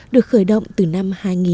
được khởi động từ năm hai nghìn một mươi một